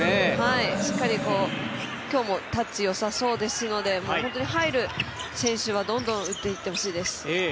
しっかり、今日もタッチよさそうですのでもう入る選手はどんどん打っていってほしいです。